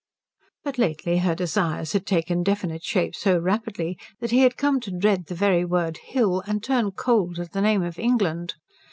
But lately her desires had taken definite shape so rapidly that he had come to dread the very word hill and turn cold at the name of England.